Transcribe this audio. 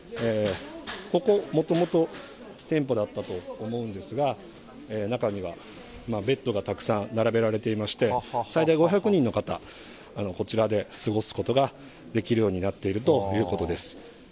ここ、もともと店舗だったと思うんですが、中にはベッドがたくさん並べられていまして、最大５００人の方、こちらで過ごすことができるようになっているということです。